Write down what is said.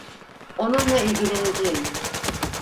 Onunla ilgileneceğim.